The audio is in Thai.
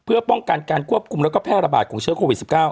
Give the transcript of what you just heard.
เพื่อป้องกันการควบคุมแล้วก็แพร่ระบาดของเชื้อโควิด๑๙